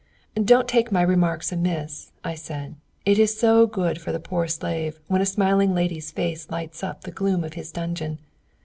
"Don't take my remarks amiss," I said; "it is so good for the poor slave when a smiling lady's face lights up the gloom of his dungeon.